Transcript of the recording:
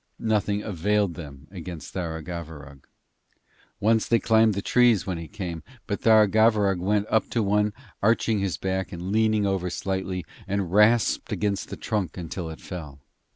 Nothing availed them against Tharagavverug. Once they climbed the trees when he came, but Tharagavverug went up to one, arching his back and leaning over slightly, and rasped against the trunk until it fell.